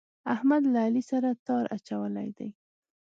احمد له علي سره تار اچولی دی.